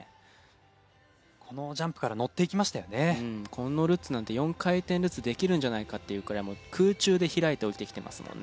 このルッツなんて４回転ルッツできるんじゃないかっていうくらい空中で開いて降りてきてますもんね。